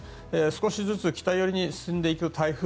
少しずつ北寄りに進んでいく台風。